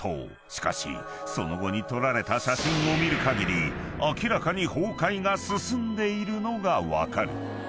［しかしその後に撮られた写真を見るかぎり明らかに崩壊が進んでいるのが分かる］